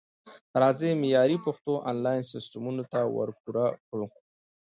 راځئ معیاري پښتو انلاین سیستمونو ته ورپوره کړو